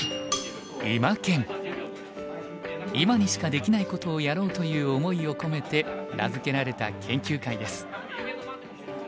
「今にしかできないことをやろう」という思いを込めて名付けられた研究会です。